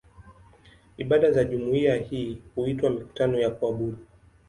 Ibada za jumuiya hii huitwa "mikutano ya kuabudu".